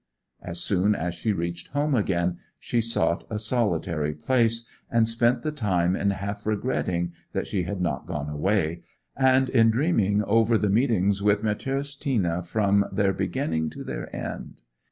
As soon as she reached home again she sought a solitary place, and spent the time in half regretting that she had not gone away, and in dreaming over the meetings with Matthäus Tina from their beginning to their end.